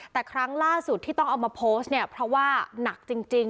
แต่ครั้งล่าสุดที่ต้องเอามาโพสต์เนี่ยเพราะว่าหนักจริง